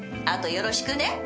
あとよろしくね。